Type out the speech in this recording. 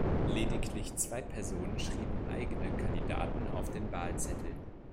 Lediglich zwei Personen schrieben eigene Kandidaten auf den Wahlzettel.